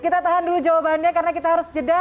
kita tahan dulu jawabannya karena kita harus jeda